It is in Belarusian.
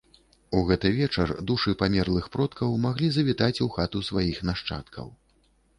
У гэты вечар душы памерлых продкаў маглі завітаць у хату сваіх нашчадкаў.